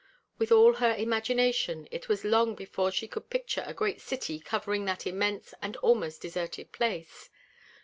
With all her imagination it was long before she could picture a great city covering that immense and almost deserted space.